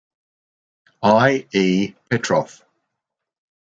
I. E. Petrov.